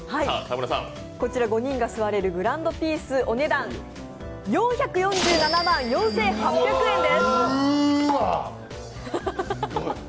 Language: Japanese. こちら、５人が座れるグランドピースお値段４４７万４８００円です！